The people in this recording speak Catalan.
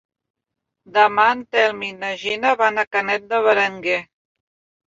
Demà en Telm i na Gina van a Canet d'en Berenguer.